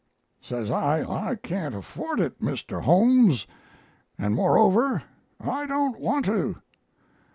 "Says I, 'I can't afford it, Mr. Holmes, and moreover I don't want to.'